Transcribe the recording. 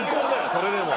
それでも。